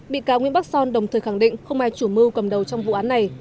bị cáo nguyễn bắc son đồng thời khẳng định không ai chủ mưu cầm đầu trong vụ án này